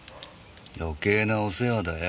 余計なお世話だよ。